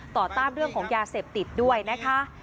ต้านเรื่องของยาเสพติดด้วยนะคะ